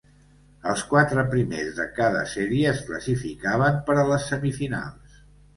Els quatre primers de cada sèrie es classificaven per a les semifinals.